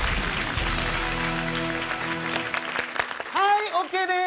はいオーケーです！